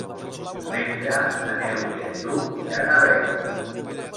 Diumenge na Neus i en Lluc iran a Begues.